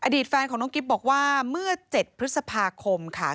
แฟนของน้องกิ๊บบอกว่าเมื่อ๗พฤษภาคมค่ะ